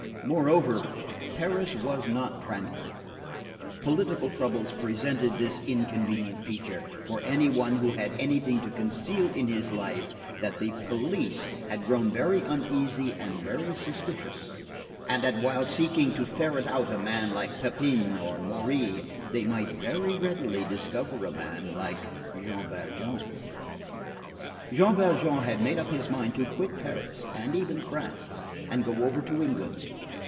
Moreover, Paris was not tranquil: political troubles presented this inconvenient feature, for any one who had anything to conceal in his life, that the police had grown very uneasy and very suspicious, and that while seeking to ferret out a man like Pépin or Morey, they might very readily discover a man like Jean Valjean. Jean Valjean had made up his mind to quit Paris, and even France, and go over to England.